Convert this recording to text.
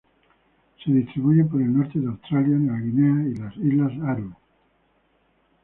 Se distribuyen por el norte de Australia, Nueva Guinea y las islas Aru.